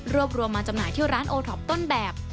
รวมรวมมาจำหน่ายเที่ยวร้านโอท็อปต้นแบบ